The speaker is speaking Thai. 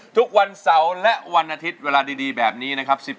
ทุกวันเสาร์และวันอาทิตย์เวลาดีแบบนี้นะครับ